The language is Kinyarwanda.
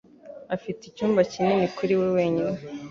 Afite icyumba kinini kuri we wenyine.